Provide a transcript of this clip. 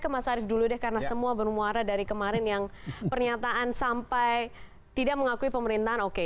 ke mas arief dulu deh karena semua bermuara dari kemarin yang pernyataan sampai tidak mengakui pemerintahan oke